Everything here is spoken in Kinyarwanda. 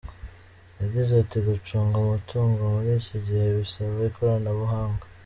Yagize ati “Gucunga umutungo muri iki gihe bisaba ikoranabuhanga.